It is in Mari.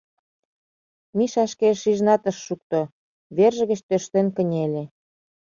Миша шкеже шижынат ыш шукто, верже гыч тӧрштен кынеле.